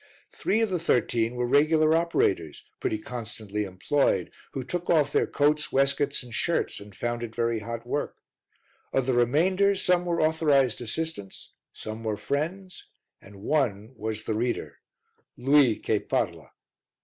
Three of the thirteen were regular operators, pretty constantly employed, who took off their coats, waistcoats and shirts, and found it very hot work; of the remainder some were authorized assistants, some were friends and one was the reader "Lui che parla."